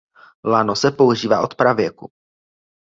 Lano se používá od pravěku.